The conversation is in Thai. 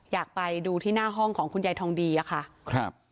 อยากไปดูที่หน้าห้องของคุณยายทองดีอะค่ะครับ